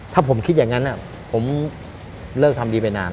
ถ้าผมคิดอย่างนั้นผมเลิกทำดีไปนาน